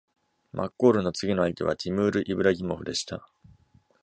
マッコールの次の相手はティムール・イブラギモフでした。